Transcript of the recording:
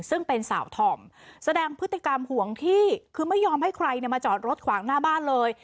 ซึ่งเป็นสาวธอมแสดงพฤติกรรมห่วงที่คือไม่ยอมให้ใครมาจอดรถขวางหน้าบ้านเลย